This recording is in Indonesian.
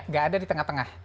gak ada di tengah tengah